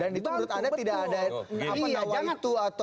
dan itu menurut anda tidak ada